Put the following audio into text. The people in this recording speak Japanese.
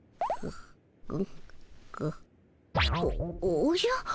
おおじゃ？